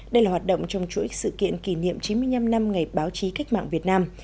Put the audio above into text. đây là hoạt động trong chuỗi sự kiện kỷ niệm chín mươi năm năm ngày báo chí cách mạng việt nam